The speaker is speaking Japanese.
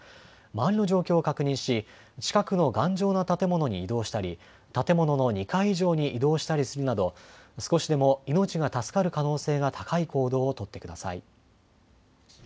周りの状況を確認し近くの頑丈な建物に移動したり建物の２階以上に移動したりするなど少しでも命が助かる可能性が高い行動を取ってください。